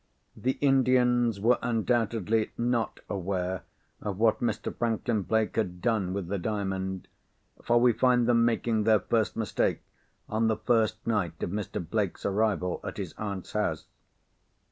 The Indians were undoubtedly not aware of what Mr. Franklin Blake had done with the Diamond—for we find them making their first mistake, on the first night of Mr. Blake's arrival at his aunt's house."